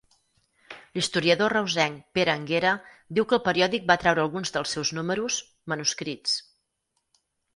L'historiador reusenc Pere Anguera diu que el periòdic va treure alguns dels seus números, manuscrits.